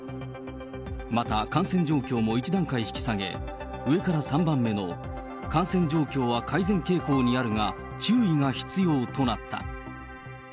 また、感染状況も１段階引き下げ、上から３番目の感染状況は改善傾向にあるが、注意が必要となった。